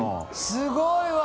すごいわ。